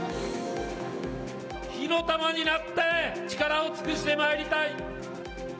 火の玉になって、力を尽くしてまいりたい。